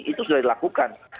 itu sudah dilakukan